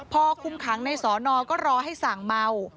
พอคุมขังในสอนอก็รอให้สั่งเมา